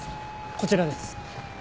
こちらです。